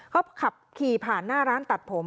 เขาขับขี่ผ่านหน้าร้านตัดผม